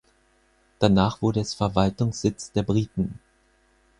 Danach wurde es Verwaltungssitz der Briten.